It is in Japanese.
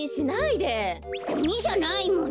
ゴミじゃないもん。